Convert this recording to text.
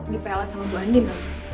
dipelat sama bu andin